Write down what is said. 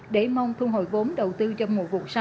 để mong thu hồi vốn đầu tiên